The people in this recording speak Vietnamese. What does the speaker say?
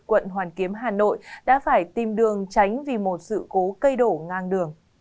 quận hoàn kiếm hà nội đã phải tìm đường tránh vì một sự cố cây đổ ngang đường